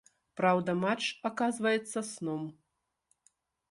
Праўда, матч аказваецца сном.